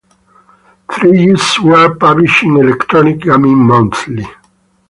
Three issues were published in "Electronic Gaming Monthly".